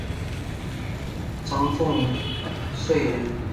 张凤翙人。